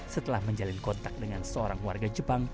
setelah menjalin kontak dengan seorang warga jepang